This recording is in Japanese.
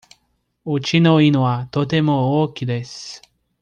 うちの犬はとても大きいです。